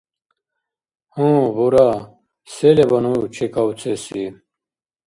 Гьу, бура, се леба ну чекавцеси?